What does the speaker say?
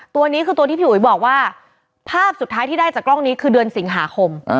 ตัวนี้คือตัวที่พี่อุ๋ยบอกว่าภาพสุดท้ายที่ได้จากกล้องนี้คือเดือนสิงหาคม